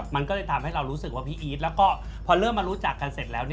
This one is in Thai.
มันก็เลยทำให้เรารู้สึกว่าพี่อีทแล้วก็พอเริ่มมารู้จักกันเสร็จแล้ว